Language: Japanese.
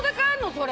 それ。